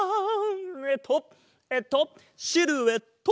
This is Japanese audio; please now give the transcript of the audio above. えっとえっとシルエット！